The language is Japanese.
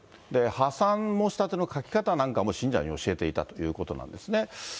破産申し立ての書き方なんかも信者に教えていたということなんですね。